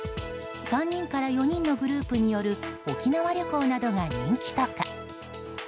３人から４人のグループによる沖縄旅行などが人気とか。